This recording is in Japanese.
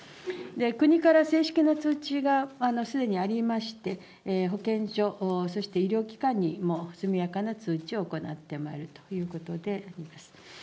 国から正式な通知がすでにありまして、保健所、そして医療機関にも、速やかな通知を行ってまいるということであります。